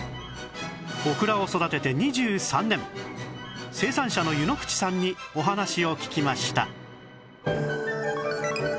オクラを育てて２３年生産者の湯ノ口さんにお話を聞きました